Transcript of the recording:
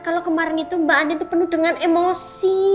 kalau kemarin itu mbak andin tuh penuh dengan emosi